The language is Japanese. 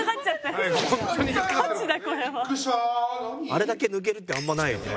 「あれだけ抜けるってあんまないよね」